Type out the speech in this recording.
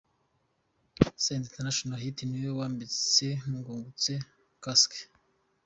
Senderi International Hit niwe wambitse Ngungutse kasike.